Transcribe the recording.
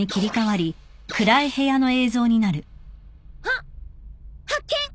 あっ発見！